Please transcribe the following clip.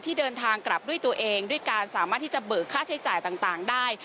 เดินทางกลับด้วยตัวเองด้วยการสามารถที่จะเบิกค่าใช้จ่ายต่างได้